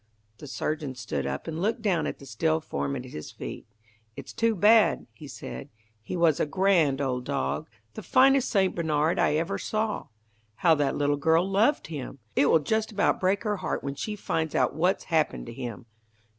The surgeon stood up and looked down at the still form at his feet. "It's too bad," he said. "He was a grand old dog, the finest St. Bernard I ever saw. How that little girl loved him! It will just about break her heart when she finds out what's happened to him."